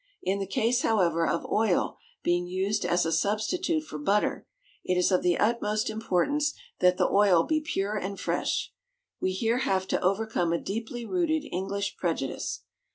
In the case, however, of oil being used as a substitute for butter, it is of the utmost importance that the oil be pure and fresh. We here have to overcome a deeply rooted English prejudice.